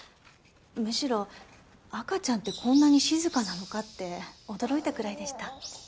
むしろ赤ちゃんってこんなに静かなのかって驚いたくらいでした。